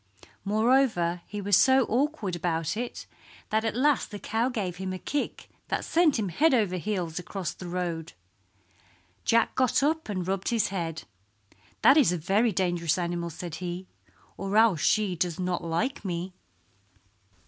Moreover he was so awkward about it that at last the cow gave him a kick that sent him head over heels across the road. Jack got up and rubbed his head. "That is a very dangerous animal," said he, "or else she does not like me."